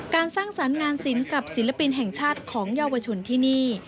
สร้างสรรค์งานศิลป์กับศิลปินแห่งชาติของเยาวชนที่นี่